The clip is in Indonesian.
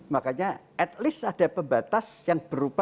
makanya at least ada pembatas yang berupa